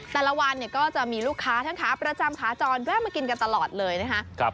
แต่ละวันเนี่ยก็จะมีลูกค้าทั้งขาประจำขาจรแวะมากินกันตลอดเลยนะคะ